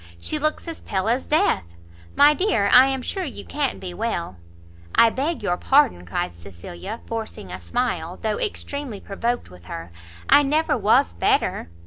She looks as pale as death. My dear, I am sure you can't be well?" "I beg your pardon," cried Cecilia, forcing a smile, though extremely provoked with her; "I never was better."